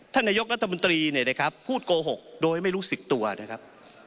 ท่านนายกรัฐมนตรีเนี่ยนะครับพูดโกหกโดยไม่รู้สึกตัวนะครับ